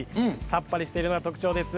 さっぱりしているのが特徴です。